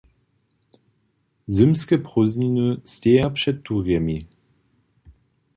Zymske prózdniny steja před durjemi.